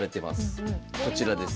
こちらです。